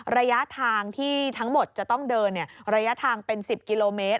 ระยะทางที่ทั้งหมดจะต้องเดินระยะทางเป็น๑๐กิโลเมตร